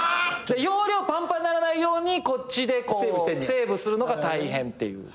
容量パンパンにならないようにこっちでこう。セーブするのが大変っていう。